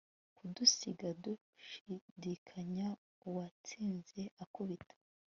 Kudusiga dushidikanya uwatsinze akubita